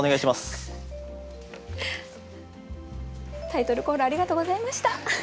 タイトルコールありがとうございました。